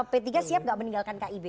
p tiga siap nggak meninggalkan kib